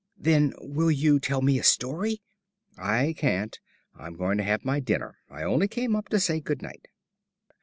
"Then will you tell me a story?" "I can't; I'm going to have my dinner. I only came up to say good night."